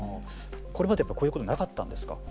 これまでこういうことはなかったんですか。